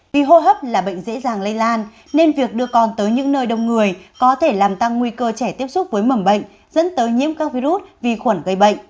vì hô hấp là bệnh dễ dàng lây lan nên việc đưa con tới những nơi đông người có thể làm tăng nguy cơ trẻ tiếp xúc với mầm bệnh dẫn tới nhiễm các virus vi khuẩn gây bệnh